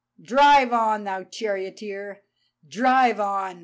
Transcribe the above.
"Drive on, thou charioteer! Drive on!